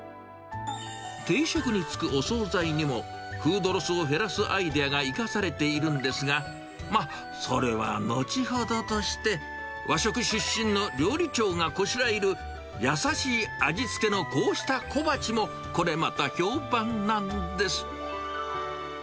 定食に付くお総菜にも、フードロスを減らすアイデアが生かされているんですが、ま、それは後ほどとして、和食出身の料理長がこしらえる優しい味付けのこうした小鉢も、これまた評判なんです。